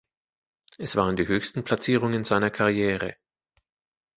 Es waren die höchsten Platzierungen seiner Karriere.